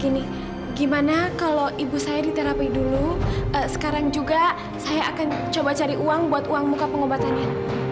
gini gimana kalau ibu saya diterapi dulu sekarang juga saya akan coba cari uang buat uang muka pengobatannya